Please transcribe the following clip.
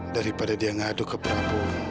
daripada dia ngaduk ke prabowo